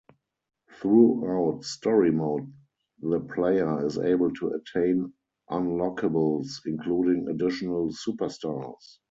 Throughout Story Mode, the player is able to attain unlockables, including additional superstars.